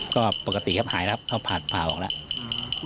ก็ปกติครับหายแล้วต้องผ่าออกแล้ว